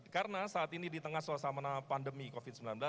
karena saat ini di tengah suasana pandemi covid sembilan belas